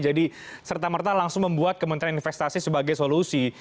jadi serta merta langsung membuat kementerian investasi sebagai solusi